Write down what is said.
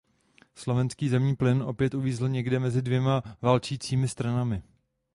Slovenský zemní plyn opět uvízl někde mezi dvěma válčícími stranami.